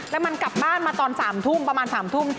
แล้วมันกลับบ้านมาตอน๓ทุ่มประมาณ๓ทุ่ม